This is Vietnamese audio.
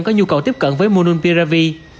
có nhu cầu tiếp cận với monopiravir